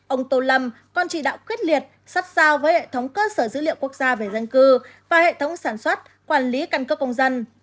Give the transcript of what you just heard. ông tô lâm còn chỉ đạo quyết liệt sát sao với hệ thống cơ sở dữ liệu quốc gia về dân cư và hệ thống sản xuất quản lý căn cước công dân